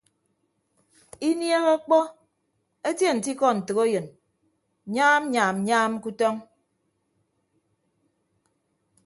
Inieehe ọkpọ etie nte ikọ ntәkeyịn nyaam nyaam nyaam ke utọñ.